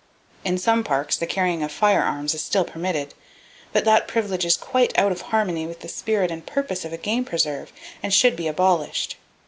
In some parks the carrying of firearms still is permitted, but that privilege is quite out of harmony with the spirit and purposes of a game preserve, and should be abolished.